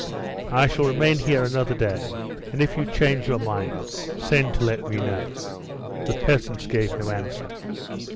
"I shall remain here another day, and if you change your minds, send to let me know." The peasants gave no answer.